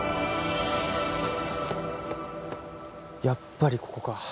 やっぱりここか。